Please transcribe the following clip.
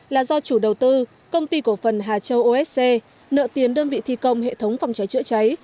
là do chủ đầu tư công ty cổ phần hà châu osc nợ tiền đơn vị thi công hệ thống phòng cháy chữa cháy